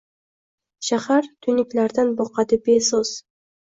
Shahar tuynuklardan boqadi beso‘z